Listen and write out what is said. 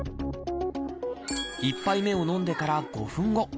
１杯目を飲んでから５分後。